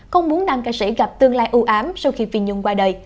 không muốn đăng ca sĩ gặp tương lai ưu ám sau khi phi nhung qua đời